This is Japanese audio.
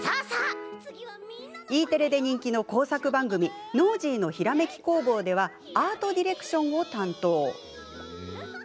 Ｅテレで人気の工作番組「ノージーのひらめき工房」ではアートディレクションを担当。